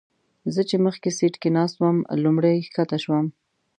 زه چې مخکې سیټ کې ناست وم لومړی ښکته شوم.